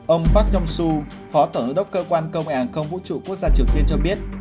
ông park jong su phó tổng hữu đốc cơ quan công nghệ hàng không vũ trụ quốc gia triều tiên cho biết